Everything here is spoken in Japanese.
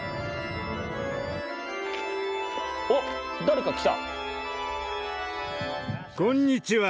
おっ誰か来た。